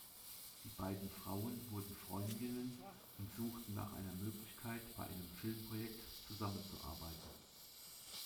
Die beiden Frauen wurden Freundinnen und suchten nach einer Möglichkeit, bei einem Filmprojekt zusammenzuarbeiten.